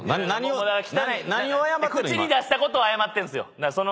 口に出したことを謝ってんすよ。